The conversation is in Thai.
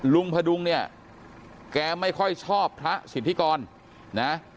พดุงเนี่ยแกไม่ค่อยชอบพระสิทธิกรนะ